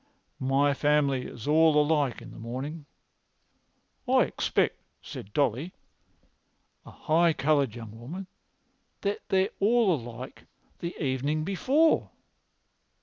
My family is all alike in the mornin'."[Pg 245] "I expect," said Dolly, a high coloured young woman, "that they're all alike the evening before."